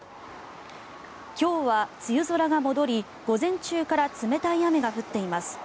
今日は梅雨空が戻り、午前中から冷たい雨が降っています。